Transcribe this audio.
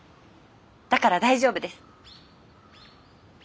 だから大丈夫です。